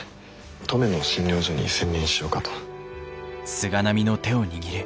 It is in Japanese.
登米の診療所に専念しようかと。